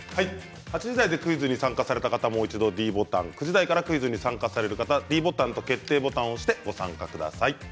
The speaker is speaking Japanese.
８時台でクイズに参加された方はもう一度ｄボタン９時台から参加される方はｄボタンと決定ボタンを押してご参加ください。